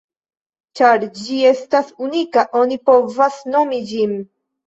Ĉar ĝi estas unika, oni povas nomi ĝin.